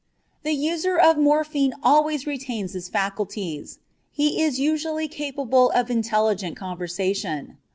The user of morphine always retains his faculties. He is usually capable of intelligent conversation.